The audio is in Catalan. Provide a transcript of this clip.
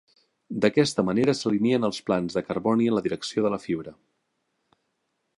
D'aquesta manera s'alineen els plans de carboni en la direcció de la fibra.